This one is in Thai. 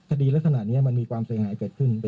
ส่วนบุคคลที่จะถูกดำเนินคดีมีกี่คนและจะมีพี่เต้ด้วยหรือเปล่า